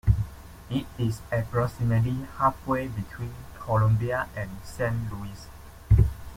It is approximately halfway between Columbia and Saint Louis.